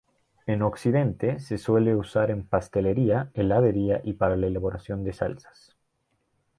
En Occidente se suele usar en pastelería, heladería y para la elaboración de salsas.